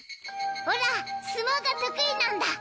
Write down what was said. オラ相撲が得意なんだ。